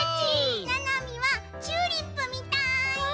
ななみはチューリップみたい！